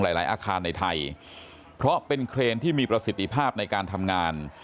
หลายอาคารในไทยเพราะเป็นเครนที่มีประสิทธิภาพในการทำงาน